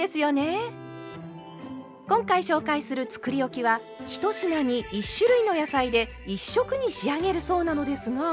今回紹介するつくりおきは１品に１種類の野菜で１色に仕上げるそうなのですが。